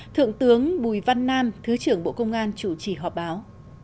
thượng tướng bùi văn nam thứ trưởng bộ công an chủ trì họp báo